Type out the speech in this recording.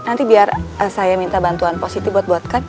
nanti biar saya minta bantuan positif buat kami